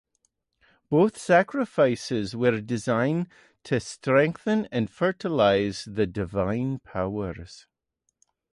Both sacrifices were designed to strengthen and fertilize the divine powers.